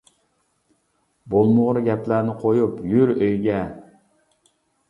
— بولمىغۇر گەپلەرنى قويۇپ يۈر ئۆيگە!